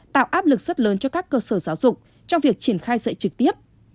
tạo áp lực rất lớn cho các cơ sở giáo dục trong việc triển khai dạy trực tiếp